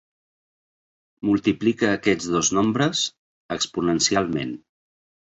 Multiplica aquests dos nombres exponencialment.